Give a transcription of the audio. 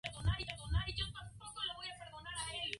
Sus combatientes son alrededor de un millar.